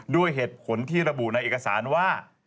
ด้วยเหตุผลที่ระบุในเอกสารว่า